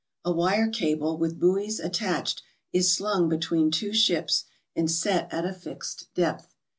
A wire cable with buoys attached is slung be tween two ships and set at a fixed depth.